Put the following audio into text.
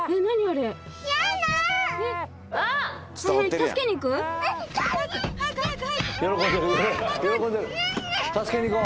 助けに行こう！